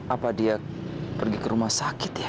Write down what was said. apa dia pergi ke rumah sakit ya